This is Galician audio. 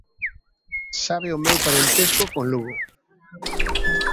Sabe o meu parentesco con Lugo.